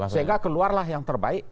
sehingga keluarlah yang terbaik